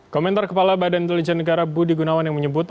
komentar kepala badan intelijen negara budi gunawan yang menyebut